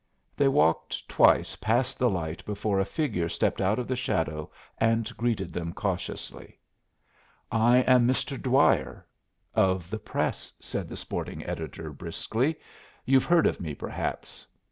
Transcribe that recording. They walked twice past the light before a figure stepped out of the shadow and greeted them cautiously. "I am Mr. Dwyer, of the Press," said the sporting editor, briskly. "You've heard of me, perhaps.